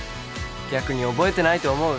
逆に覚えてないと思う？